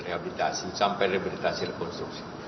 rehabilitasi sampai rehabilitasi rekonstruksi